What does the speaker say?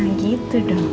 nah gitu dong